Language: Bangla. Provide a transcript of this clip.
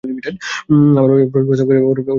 আমার ভয়ে প্রস্রাব করে প্যান্ট নষ্ট করা উচিত ওর!